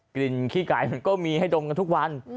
ขี้ไก่มันก็มีให้ดมกันทุกวัน